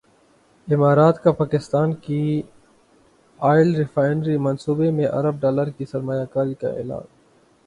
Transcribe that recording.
امارات کا پاکستان کی ئل ریفائنری منصوبے میں ارب ڈالر کی سرمایہ کاری کا اعلان